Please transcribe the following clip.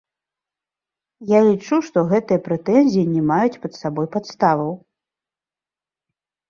Я лічу, што гэтыя прэтэнзіі не маюць пад сабой падставаў.